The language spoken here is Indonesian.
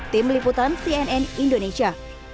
tim liputan cnn indonesia